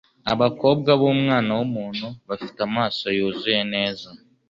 Abakobwa b'Umwana w'umuntu bafite amaso yuzuye neza